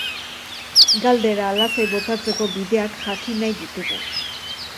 Galdera lasai botatzeko bideak jakin nahi ditugu.